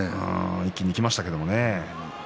一気にいきましたがね。